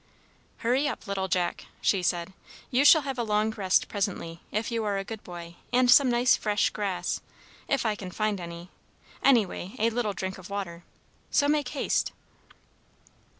"Hurry up, little Jack!" she said. "You shall have a long rest presently, if you are a good boy, and some nice fresh grass, if I can find any; anyway, a little drink of water. So make haste."